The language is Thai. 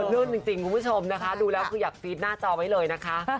ลื่นจริงคุณผู้ชมนะคะดูแล้วคืออยากฟีดหน้าจอไว้เลยนะคะ